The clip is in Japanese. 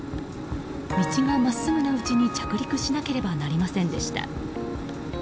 道が真っすぐなうちに着陸しなければなりませんでした。